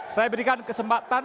saya berikan kesempatan